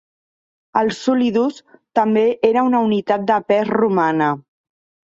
El "solidus" també era una unitat de pes romana.